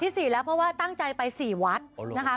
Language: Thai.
ที่สี่แล้วเพราะว่าตั้งใจไปสี่วัดนะคะ